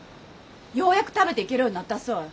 ようやく食べていけるようになったそい